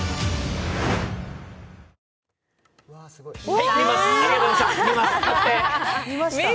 はい、見ますありがとうございました。